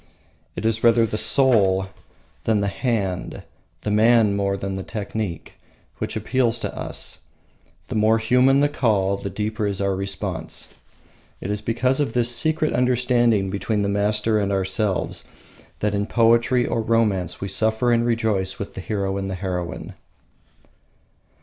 It is rather the soul than the hand, the man than the technique, which appeals to us, the more human the call the deeper is our response. It is because of this secret understanding between the master and ourselves that in poetry or romance we suffer and rejoice with the hero and heroine.